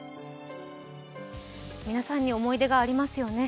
皆さんに思い出がありますよね。